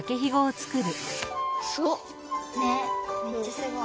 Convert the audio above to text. すごっ。